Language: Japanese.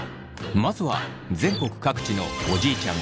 まずは全国各地のおじいちゃん